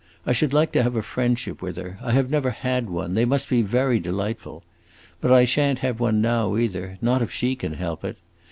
I should like to have a friendship with her; I have never had one; they must be very delightful. But I shan't have one now, either not if she can help it!